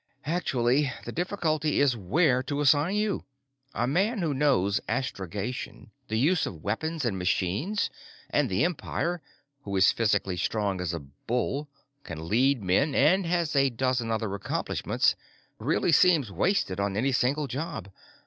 "Actually, the difficulty is where to assign you. A man who knows astrogation, the use of weapons and machines, and the Empire, who is physically strong as a bull, can lead men, and has a dozen other accomplishments, really seems wasted on any single job.